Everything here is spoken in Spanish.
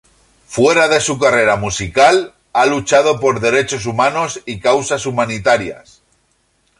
Fuera de su carrera musical, ha luchado por derechos humanos y causas humanitarias.